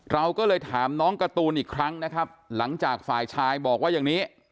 เราก็เลยถามน้องการ์ตูนอีกครั้งนะครับหลังจากฝ่ายชายบอกว่าอย่างนี้